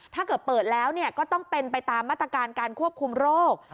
ถ้าเกิดเปิดแล้วก็ต้องเป็นไปตามมาตรการการควบคุมโรค